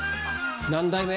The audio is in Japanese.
何代目？